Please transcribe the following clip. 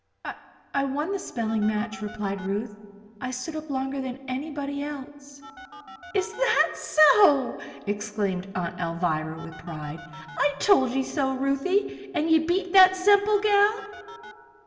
"I won the spelling match," replied Ruth. "I stood up longer than anybody else." "Is that so!" exclaimed Aunt Alvirah, with pride. "I told ye so, Ruthie. And ye beat that Semple gal?"